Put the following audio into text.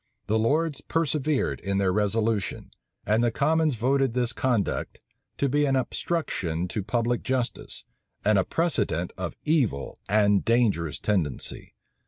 The lords persevered in their resolution; and the commons voted this conduct to be an obstruction to public justice, and a precedent of evil and dangerous tendency.